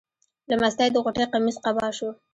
له مستۍ د غوټۍ قمیص قبا شو.